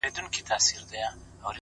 له دې نه مخكي چي ته ما پرېږدې،